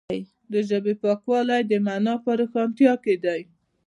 د ژبې پاکوالی د معنا په روښانتیا کې دی.